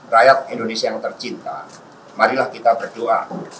rakyat indonesia yang tercinta marilah kita berdoa